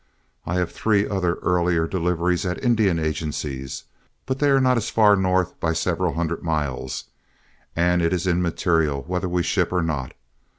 I have three other earlier deliveries at Indian agencies, but they are not as far north by several hundred miles, and it's immaterial whether we ship or not.